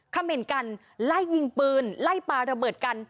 เขม่นกันไล่ยิงปืนไล่ปลาระเบิดกัน